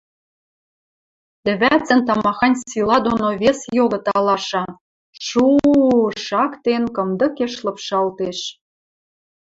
лӹвӓцӹн тамахань сила доно вес йогы талаша: шу-у-у-у шактен, кымдыкеш лыпшалтеш...